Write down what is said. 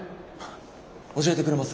教えてくれます？